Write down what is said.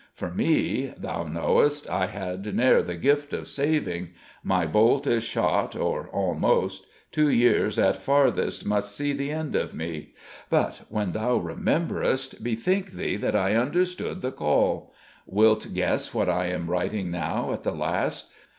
For me thou knowest I had ne'er the gift of saving. My bolt is shot, or almost: two years at farthest must see the end of me. But when thou rememberest, bethink thee that I understood the call. Wilt guess what I am writing, now at the last?